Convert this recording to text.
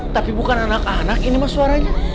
tapi bukan anak anak ini mas suaranya